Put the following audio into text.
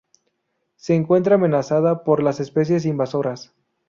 Se encuentra amenazada por las especies invasoras.